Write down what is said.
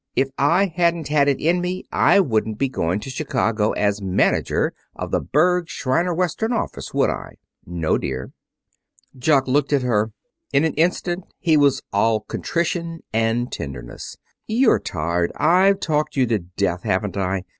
If I hadn't had it in me I wouldn't be going to Chicago as manager of the Berg, Shriner Western office, would I?" "No, dear." Jock looked at her. In an instant he was all contrition and tenderness. "You're tired. I've talked you to death, haven't I?